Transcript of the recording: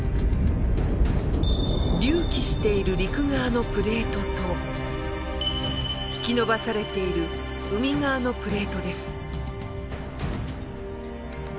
隆起している陸側のプレートと引き延ばされている海側のプレートです。